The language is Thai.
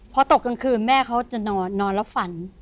พอตกกลางคืนแม่เขาจะนอนแล้วฝัน